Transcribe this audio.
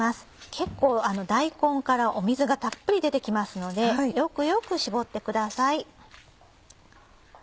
結構大根から水がたっぷり出て来ますのでよく絞ってください。